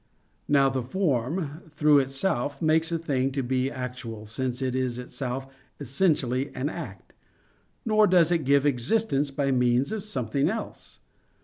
Now the form, through itself, makes a thing to be actual since it is itself essentially an act; nor does it give existence by means of something else.